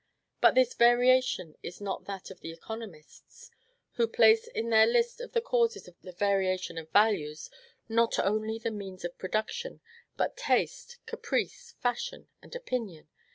But this variation is not that of the economists, who place in their list of the causes of the variation of values, not only the means of production, but taste, caprice, fashion, and opinion.